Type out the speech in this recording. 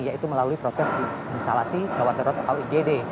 yaitu melalui proses instalasi gawat darurat atau igd